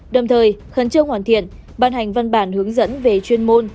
đồng thời khẩn trương hoàn thiện ban hành văn bản hướng dẫn về chuyên môn